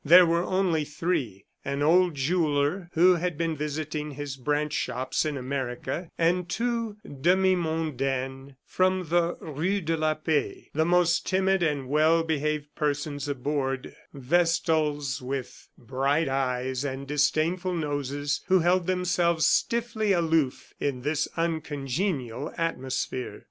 There were only three; an old jeweller who had been visiting his branch shops in America, and two demi mondaines from the rue de la Paix, the most timid and well behaved persons aboard, vestals with bright eyes and disdainful noses who held themselves stiffly aloof in this uncongenial atmosphere.